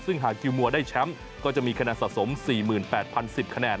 ซึ่งหากคิวมัวได้แชมป์ก็จะมีคะแนนสะสม๔๘๐๑๐คะแนน